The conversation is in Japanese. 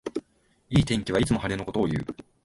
いい天気はいつも晴れのことをいう